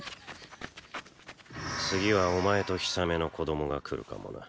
次はお前とヒサメの子供が来るかもな。